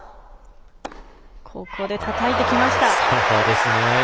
ここでたたいてきました。